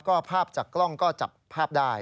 ก็ภาพจากกล้องก็จับภาพได้